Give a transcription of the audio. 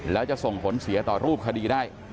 แล้วจะส่งผลเสียต่อรูปคดีได้